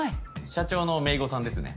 社長のめいごさんですね。